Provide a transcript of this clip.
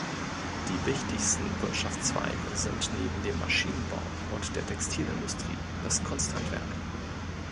Die wichtigsten Wirtschaftszweige sind neben dem Maschinenbau und der Textilindustrie das Kunsthandwerk.